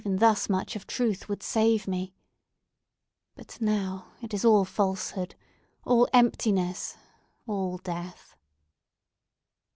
Even thus much of truth would save me! But now, it is all falsehood!—all emptiness!—all death!"